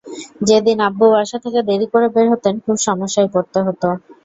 যেদিন আব্বু বাসা থেকে দেরি করে বের হতেন খুব সমস্যায় পড়তে হতো।